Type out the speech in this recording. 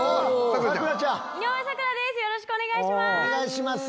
よろしくお願いします。